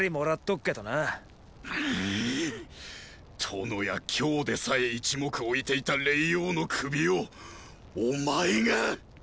殿や摎でさえ一目置いていた霊凰の首をお前が！